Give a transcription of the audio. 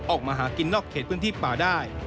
ออกมาหากินนอกเขตพื้นที่ป่าได้